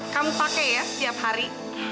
kamu pakai ya setiap hari